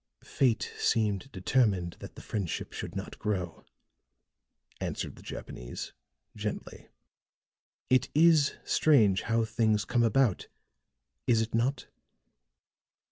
"Fate seemed determined that the friendship should not grow," answered the Japanese, gently. "It is strange how things come about, is it not?"